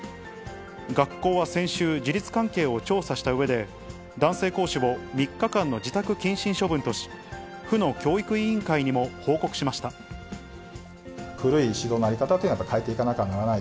学校は先週、事実関係を調査したうえで、男性講師を３日間の自宅謹慎処分とし、古い指導の在り方というのは、変えていかなきゃならない。